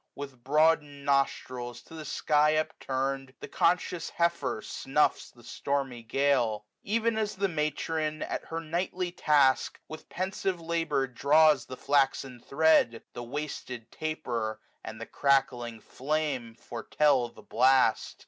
With broadened nostrils to the sky up turn'd, The conscious heifer snuffs the stormy gale* Ev'n as the matron, at her nightly task. With pensive labour draws the flaxen thread, 135 The wasted taper and the crackling flame Fgretell the blast.